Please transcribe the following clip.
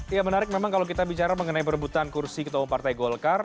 ya menarik memang kalau kita bicara mengenai perebutan kursi ketua umum partai golkar